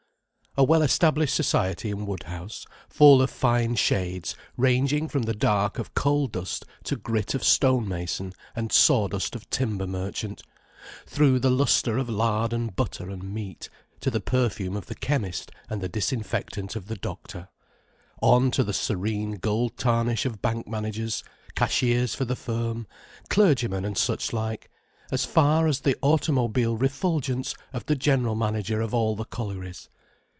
A well established society in Woodhouse, full of fine shades, ranging from the dark of coal dust to grit of stone mason and sawdust of timber merchant, through the lustre of lard and butter and meat, to the perfume of the chemist and the disinfectant of the doctor, on to the serene gold tarnish of bank managers, cashiers for the firm, clergymen and such like, as far as the automobile refulgence of the general manager of all the collieries.